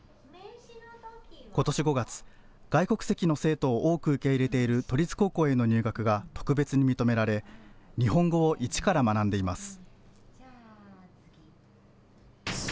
ことし５月、外国籍の生徒を多く受け入れている都立高校への入学が特別に認められ、日本語を一から学んでいます。